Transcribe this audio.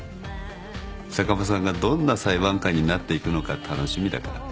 坂間さんがどんな裁判官になっていくのか楽しみだから。